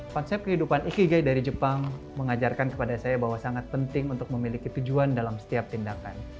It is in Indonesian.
konsep kehidupan ikigai dari jepang mengajarkan kepada saya bahwa sangat penting untuk memiliki tujuan dalam setiap tindakan